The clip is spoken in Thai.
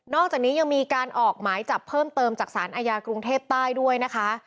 อกจากนี้ยังมีการออกหมายจับเพิ่มเติมจากสารอาญากรุงเทพใต้ด้วยนะคะ